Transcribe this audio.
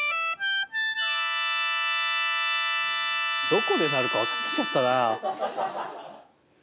どこで鳴るかわかってきちゃったな。